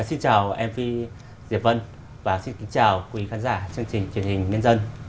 xin chào mv diệp vân và xin kính chào quý khán giả chương trình truyền hình nhân dân